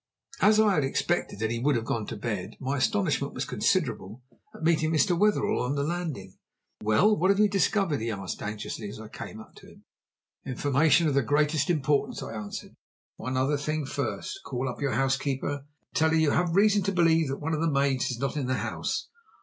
As I had expected that he would have gone to bed, my astonishment was considerable at meeting Mr. Wetherell on the landing. "Well, what have you discovered?" he asked anxiously as I came up to him. "Information of the greatest importance," I answered; "but one other thing first. Call up your housekeeper, and tell her you have reason to believe that one of the maids is not in the house.